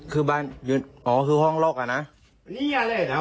คือบ้านอยู่อ๋อคือห้องล็อกอ่ะนะ